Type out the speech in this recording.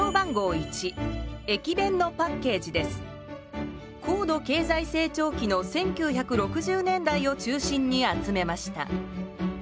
１高度経済成長期の１９６０年代を中心に集めました。